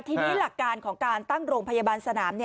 ทีนี้หลักการของการตั้งโรงพยาบาลสนาม